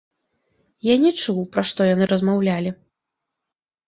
Я не чуў, пра што яны размаўлялі.